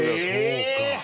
そうか。